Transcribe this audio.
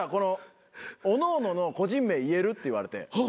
「おのおのの個人名言える？」って言われて。